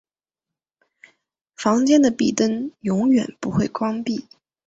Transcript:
房间的壁灯永远不会关闭。